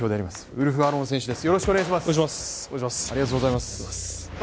ウルフアロン選手です。